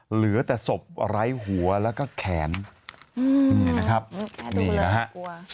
เหลือแต่ศพไร้หัวแล้วก็แขนอืมนี่นะครับแค่ดูเลยน่ากลัว